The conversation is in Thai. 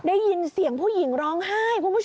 ได้ยินเสียงผู้หญิงร้องไห้